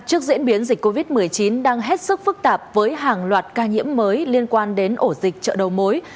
trước diễn biến dịch covid một mươi chín đang hết sức phức tạp với hàng loạt ca nhiễm mới liên quan đến ổ dịch chợ đầu mối